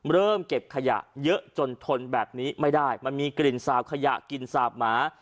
เริ่มเก็บขยะเยอะจนทนแบบนี้ไม่ได้มันมีกลิ่นสาบขยะกลิ่นสาบหมา